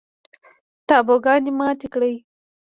تابوگانې ماتې کړي